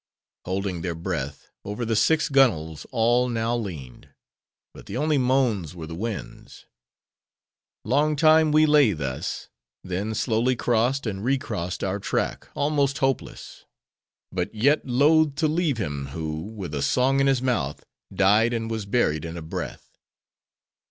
Holding their breath, over the six gunwales all now leaned; but the only moans were the wind's. Long time we lay thus; then slowly crossed and recrossed our track, almost hopeless; but yet loth to leave him who, with a song in his mouth, died and was buried in a breath.